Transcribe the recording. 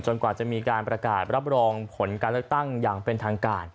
กว่าจะมีการประกาศรับรองผลการเลือกตั้งอย่างเป็นทางการ